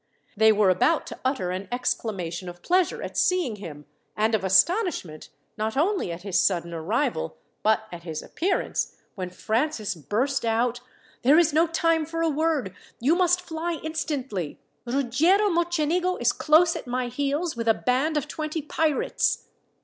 They were about to utter an exclamation of pleasure at seeing him, and of astonishment, not only at his sudden arrival, but at his appearance, when Francis burst out: "There is no time for a word. You must fly instantly. Ruggiero Mocenigo is close at my heels with a band of twenty pirates."